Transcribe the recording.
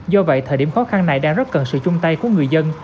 do vậy thời điểm khó khăn này đang rất cần sự chung tay của người dân